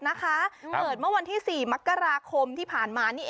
เหมือนวันที่๔มมที่ผ่านมา